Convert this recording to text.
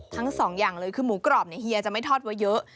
ทั้งสองอย่างเลยคือหมูกรอบเนี่ยเฮียจะไม่ทอดไว้เยอะ